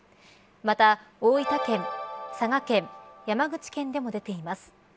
また、大分県、佐賀県山口県でも出ています。